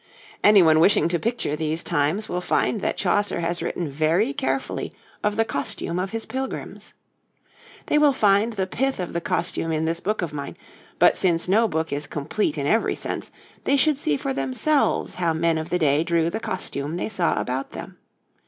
Anyone wishing to picture these times will find that Chaucer has written very carefully of the costume of his Pilgrims. They will find the pith of the costume in this book of mine; but since no book is complete in every sense, they should see for themselves how men of the day drew the costume they saw about them.